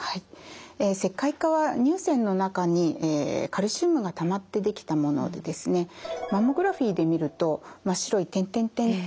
石灰化は乳腺の中にカルシウムがたまって出来たものでですねマンモグラフィーで見ると真っ白い点々点々の粒のように見えます。